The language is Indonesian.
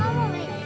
mau mau beli